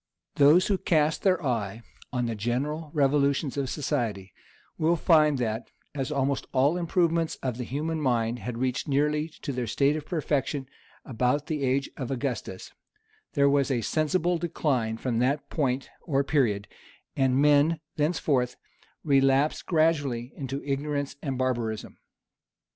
Those who cast their eye on the general revolutions of society, will find that, as almost all improvements of the human mind had reached nearly to their state of perfection about the age of Augustus, there was a sensible decline from that point or period; and men thenceforth relapsed gradually into ignorance and barbarism.